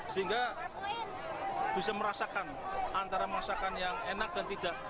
sehingga bisa merasakan antara masakan yang enak dan tidak